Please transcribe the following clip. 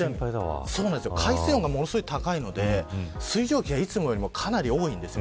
海水温が高いので、水蒸気がいつもよりもかなり多いです。